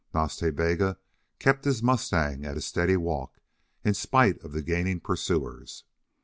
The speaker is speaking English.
Nas Ta Bega kept his mustang at a steady walk, in spite of the gaining pursuers.